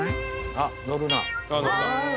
あっのるな。